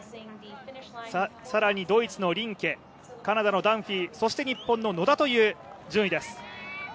更にドイツのリンケカナダのダンフィーそして日本の野田という順位です。